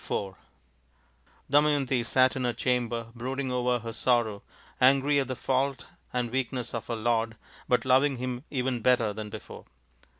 IV Damayanti sat in her chamber brooding over her sorrow, angry at the fault and weakness of her lord, but loving him even better than before.